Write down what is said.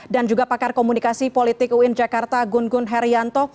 dan juga pakar komunikasi politik uin jakarta gun gun herianto